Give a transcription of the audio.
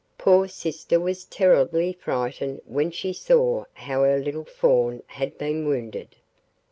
Poor sister was terribly frightened when she saw how her little Fawn had been wounded.